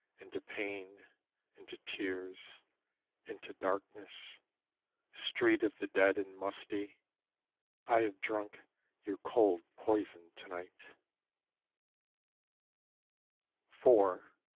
Into pain, into tears, into darkness, Street of the dead and musty, I have drunk your cold poison to night.